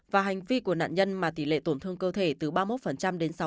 và hành vi của nạn nhân mà tỷ lệ tổn thương cơ thể từ ba mươi một đến sáu